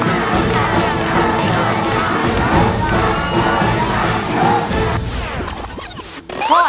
สุดท้ายสุดท้ายสุดท้ายสุดท้ายสุดท้าย